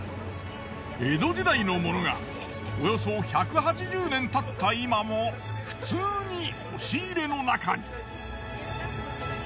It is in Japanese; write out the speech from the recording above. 江戸時代のものがおよそ１８０年経った今も普通に押し入れの中に。